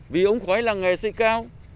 vì ống khói làng nghề xây cao